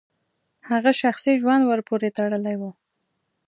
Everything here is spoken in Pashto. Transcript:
هغه شخصي ژوند ورپورې تړلی و.